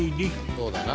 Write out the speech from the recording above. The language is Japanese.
そうだな。